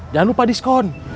jangan lupa diskon